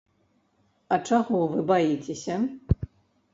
А чаго вы баіцеся?